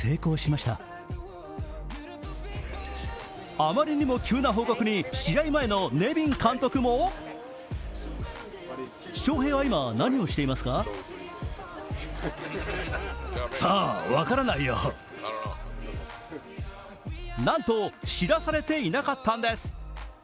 あまりにも急な報告に試合前のネビン監督もなんと、知らされていなかったんです。